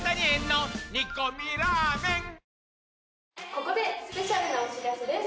ここでスペシャルなお知らせです。